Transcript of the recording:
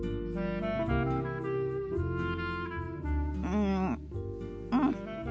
うんうん。